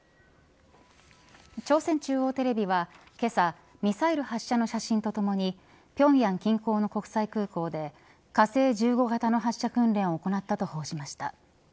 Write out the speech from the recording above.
朝鮮中央テレビはけさ、ミサイル発射の写真とともに平壌近郊の国際空港で火星１５型の発射訓練を行ったと報じました。